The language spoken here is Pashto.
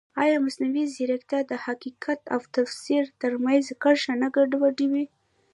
ایا مصنوعي ځیرکتیا د حقیقت او تفسیر ترمنځ کرښه نه ګډوډوي؟